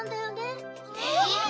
えっ？